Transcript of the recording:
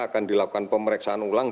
akan dilakukan pemeriksaan ulang